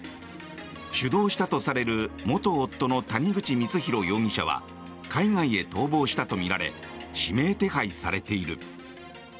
主導したとされる元夫の谷口光弘容疑者は海外へ逃亡したとみられ指名手配されている。